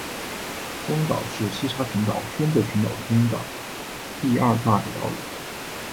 东岛是西沙群岛宣德群岛中的第二大的岛屿。